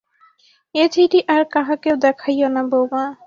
এ চিঠি আর কাহাকেও দেখাইয়ো না, বউমা।